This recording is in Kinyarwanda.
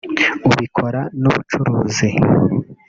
ubikora n’ubucuruza